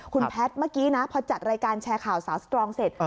คุณแพทย์เมื่อกี้นะพอจัดรายการแชร์ข่าวสาวสตรองเสร็จ